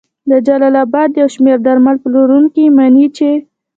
د جلال اباد یو شمېر درمل پلورونکي مني چې